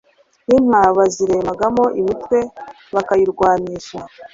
Inka baziremagamo imitwe bakayirwanisha